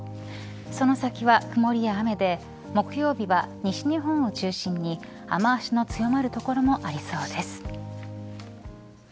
その先は曇りや雨で木曜日は西日本を中心に雨脚の強まる所もありそうです。